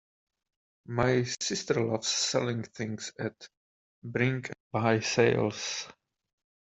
My sister loves selling things at Bring and Buy sales